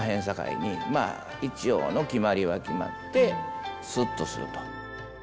さかいにまあ一応の決まりは決まってスッとすると。